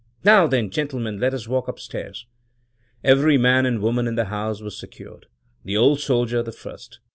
Now, then, gentlemen, let us walk upstairs!" Every man and woman in the house was secured — the "Old Soldier" the first.